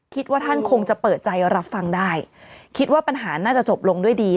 คิดว่าท่านคงจะเปิดใจรับฟังได้คิดว่าปัญหาน่าจะจบลงด้วยดี